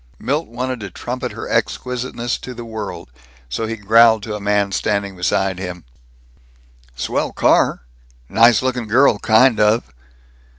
Milt wanted to trumpet her exquisiteness to the world, so he growled to a man standing beside him, "Swell car. Nice lookin' girl, kind of."